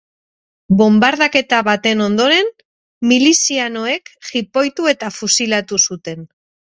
Bonbardaketa baten ondoren, milizianoek jipoitu eta fusilatu zuten.